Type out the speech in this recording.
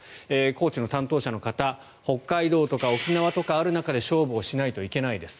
高知の担当者の方北海道とか沖縄とかある中で勝負をしないといけないです